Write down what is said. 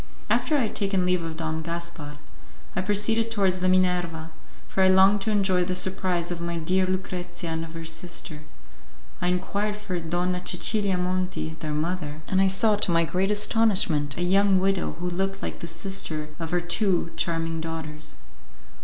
After I had taken leave of Don Gaspar, I proceeded towards the Minerva, for I longed to enjoy the surprise of my dear Lucrezia and of her sister; I inquired for Donna Cecilia Monti, their mother, and I saw, to my great astonishment, a young widow who looked like the sister of her two charming daughters.